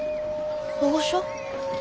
保護所？